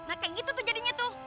nah kayak gitu tuh jadinya tuh